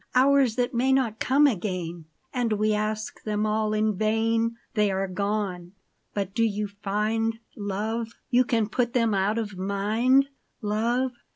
Hours that may not come again, And we ask them all in vain ! They are gone ; but do you find, love. You can put them out of mind, love